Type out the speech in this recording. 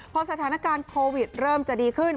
พอสถานการณ์โควิดเริ่มจะดีขึ้น